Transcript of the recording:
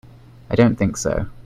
I don't think so.